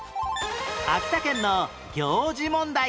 秋田県の行事問題